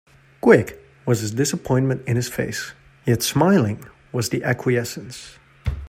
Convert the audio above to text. Quick was the disappointment in his face, yet smiling was the acquiescence.